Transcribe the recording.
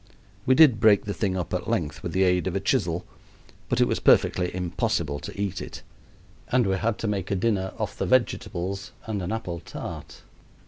We did break the thing up at length with the aid of a chisel, but it was perfectly impossible to eat it, and we had to make a dinner off the vegetables and an apple tart.